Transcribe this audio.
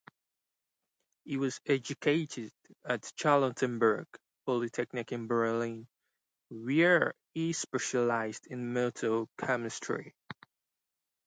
He was educated at Charlottenburg Polytechnic in Berlin, where he specialized in metal chemistry.